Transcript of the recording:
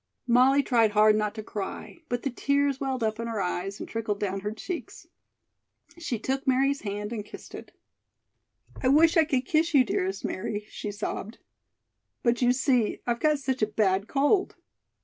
Molly tried hard not to cry, but the tears welled up in her eyes and trickled down her cheeks. She took Mary's hand and kissed it. "I wish I could kiss you, dearest Mary," she sobbed; "but you see, I've got such a bad cold."